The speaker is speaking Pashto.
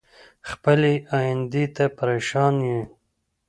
خپلې ايندی ته پریشان ين